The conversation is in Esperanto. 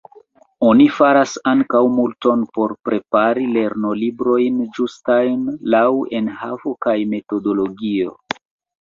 Oni faras ankaŭ multon por prepari lernolibrojn ĝustajn laŭ enhavo kaj metodologio.